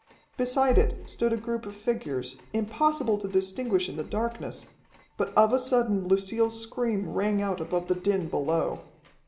Beside it stood a group of figures, impossible to distinguish in the darkness, but of a sudden Lucille's scream rang out above the din below.